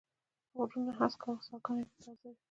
غرونه هسک و او ساګاني به تازه وې